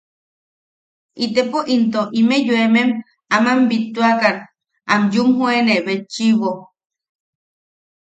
¡Itepo into ime yoemem aman bittuakan am yumjoene betchiʼibo!